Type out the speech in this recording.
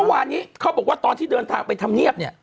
เมื่อวานนี้เขาบอกว่าตอนที่เดินทางไปทำเนียบเนี่ย